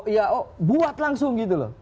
ya oh buat langsung gitu loh